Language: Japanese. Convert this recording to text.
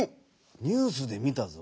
ニュースで見たぞ。